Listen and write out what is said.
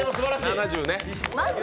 ７０ね。